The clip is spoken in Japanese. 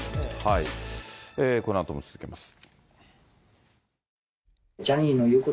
このあとも続きます。